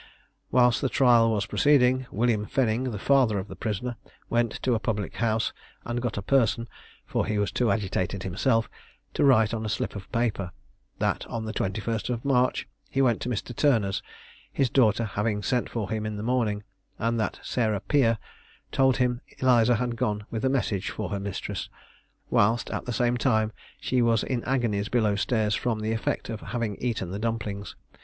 Whilst the trial was proceeding, William Fenning, the father of the prisoner, went to a public house, and got a person (for he was too agitated himself) to write on a slip of paper, that on the 21st of March he went to Mr. Turner's, his daughter having sent for him in the morning, and that Sarah Peer told him Eliza had gone with a message for her mistress, whilst, at the same time, she was in agonies below stairs from the effect of having eaten of the dumplings.